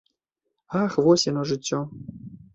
Ах, вось яно, жыццё.